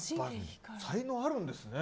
才能あるんですね